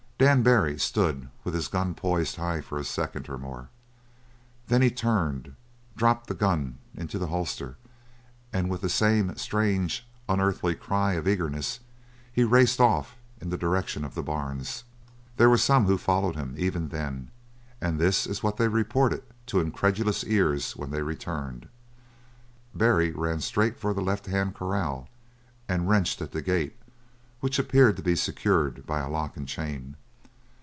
Dan Barry stood with his gun poised high for a second or more. Then he turned, dropped the gun into the holster, and with the same strange, unearthly cry of eagerness, he raced off in the direction of the barns. There were some who followed him even then, and this is what they reported to incredulous ears when they returned. Barry ran straight for the left hand corral and wrenched at the gate, which appeared to be secured by a lock and chain.